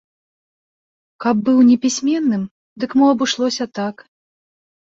Каб быў непісьменным, дык мо абышлося так.